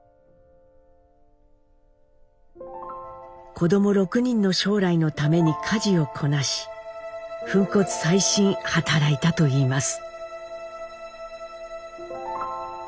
子ども６人の将来のために家事をこなし粉骨砕身働いたと言います。